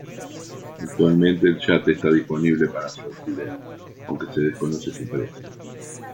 Actualmente el yate está disponible para su alquiler, aunque se desconoce su precio.